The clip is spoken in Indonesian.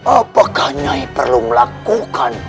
apakah nyai perlu melakukan